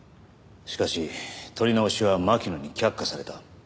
しかし撮り直しは巻乃に却下された。